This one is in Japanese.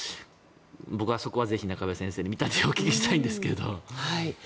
僕はそこはぜひ中林先生に見立てをお聞きしたいんですけど。